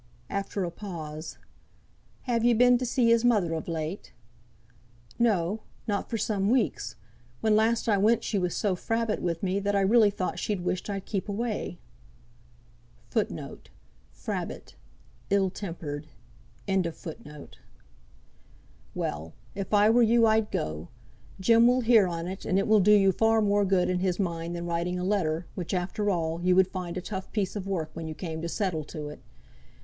After a pause. "Have ye been to see his mother of late?" "No; not for some weeks. When last I went she was so frabbit with me, that I really thought she wished I'd keep away." [Footnote 42: "Frabbit," ill tempered.] "Well! if I were you I'd go. Jem will hear on't, and it will do you far more good in his mind than writing a letter, which, after all, you would find a tough piece of work when you came to settle to it.